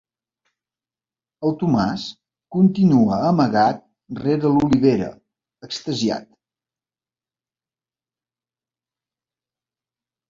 El Tomàs continua amagat rere l'olivera, extasiat.